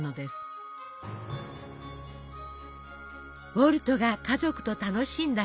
ウォルトが家族と楽しんだレモンパイ。